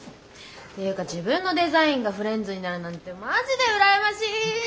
ていうか自分のデザインがフレンズになるなんてマジで羨ましい！